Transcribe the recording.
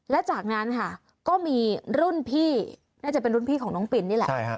และจากนั้นค่ะก็มีรุ่นพี่น่าจะเป็นรุ่นพี่ของน้องปินนี่แหละ